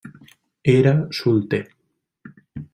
Era solter.